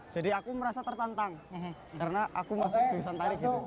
jadi aku merasa tertantang karena aku masuk jelusan tarik gitu